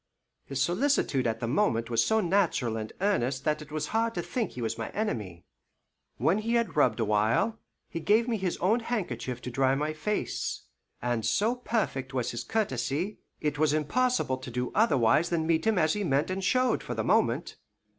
His solicitude at the moment was so natural and earnest that it was hard to think he was my enemy. When he had rubbed awhile, he gave me his own handkerchief to dry my face; and so perfect was his courtesy, it was impossible to do otherwise than meet him as he meant and showed for the moment.